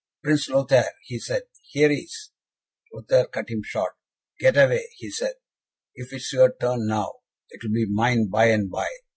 "Prince Lothaire," he said, "here is " Lothaire cut him short. "Get away," he said. "If it is your turn now, it will be mine by and by.